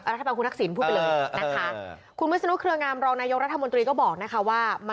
รัฐบาลคุณทักศิลป์พูดไปเลยนะคะอย่างนี้ค่ะ